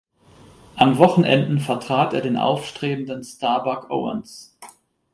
An Wochenenden vertrat er den aufstrebenden Star Buck Owens.